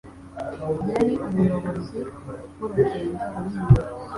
Yari umuyobozi wurugendo runini.